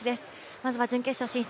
まずは準決勝進出